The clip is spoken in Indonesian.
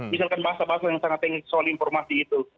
misalkan bahasa bahasa yang sangat tinggi soal informasi itu